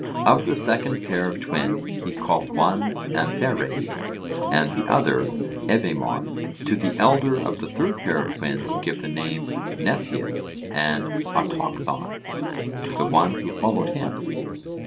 Of the second pair of twins he called one Ampheres, and the other Evaemon. To the elder of the third pair of twins he gave the name Mneseus, and Autochthon to the one who followed him.